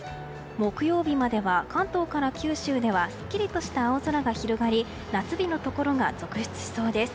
木曜日までは関東から九州ではすっきりした青空が広がり夏日のところが続出しそうです。